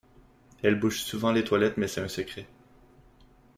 Elle bouche souvent les toilettes, mais c'est un secret.